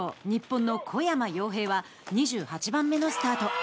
日本の小山陽平は２８番目のスタート。